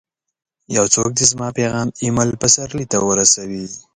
یو څوک دي زما پیغام اېمل پسرلي ته ورسوي!